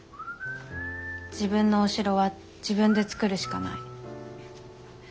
自分のお城は自分で作るしかない。